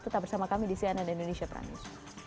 tetap bersama kami di cnn indonesia pramius